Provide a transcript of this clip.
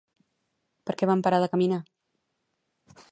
Per què van parar de caminar?